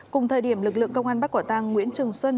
cùng thời điểm lực lượng công an bắt quả tăng nguyễn trường xuân